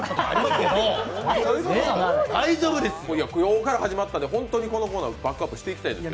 今日から始まったこのコーナー、バックアップしていきたいですよ。